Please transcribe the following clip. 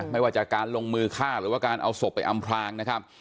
ไม่ว่าจากการลงมือฆ่าหรือว่าการเอาศพไปอำพลางนะครับ